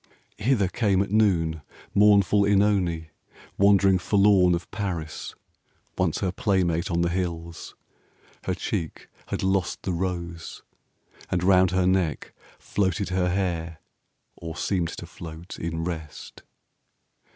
Hither came at noon Mournful Oenone, wandering forlorn 15 Of Paris, once her playmate on the hills. Her cheek had lost the rose, and round her neck Floated her hair or seemed to float in rest.